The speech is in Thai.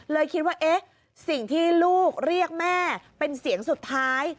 เลยคิดว่าเอ๊ะสิ่งที่ลูกเรียกแม่เป็นเสียงสุดท้าย